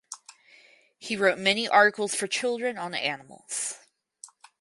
He wrote many articles for children on animals.